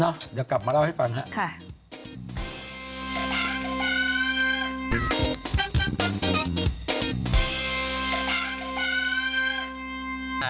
เดี๋ยวกลับมาเล่าให้ฟันค่ะค่ะ